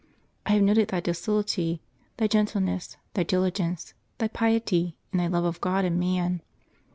I have noted thy docility, thy gentleness, thy diligence, thy piety, and thy love of God and man.